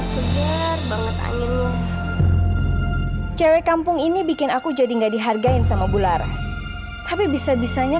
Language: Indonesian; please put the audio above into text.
segar banget anginnya cewek kampung ini bikin aku jadi enggak dihargain sama bularas tapi bisa bisanya